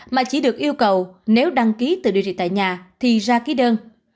mà chỉ được yêu cầu nếu đăng ký tự điều trị tại nhà thì ra ký đơn